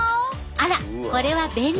あらこれは便利。